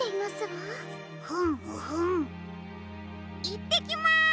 いってきます！